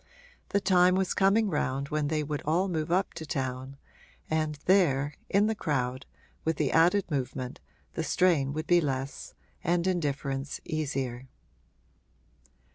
The time was coming round when they would all move up to town, and there, in the crowd, with the added movement, the strain would be less and indifference easier.